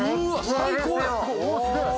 最高！